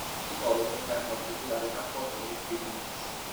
Lo psicologo dovrà inoltre curare il rapporto con il figlio Max.